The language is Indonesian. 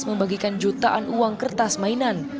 membagikan jutaan uang kertas mainan